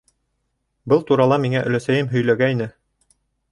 Был турала миңә өләсәйем һөйләгәйне.